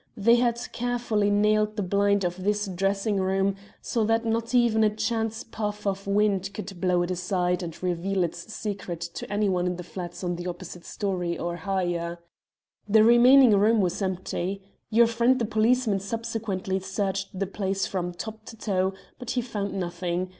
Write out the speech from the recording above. They had carefully nailed the blind of this dressing room, so that not even a chance puff of wind could blow it aside and reveal its secret to anyone in the flats on the opposite storey or higher. The remaining room was empty. Your friend the policeman subsequently searched the place from top to toe, but he found nothing.